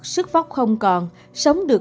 sức phóc không còn sống được